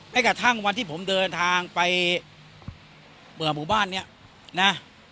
กระทั่งวันที่ผมเดินทางไปเปิดหมู่บ้านเนี่ยนะ